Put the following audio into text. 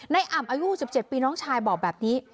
อ่ำอายุ๖๗ปีน้องชายบอกแบบนี้